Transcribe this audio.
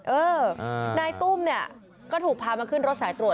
เออนายตุ้มเนี่ยก็ถูกพามาขึ้นรถสายตรวจ